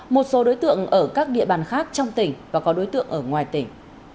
một số đối tượng ở các địa bàn khác trong tỉnh và có đối tượng ở ngoài tỉnh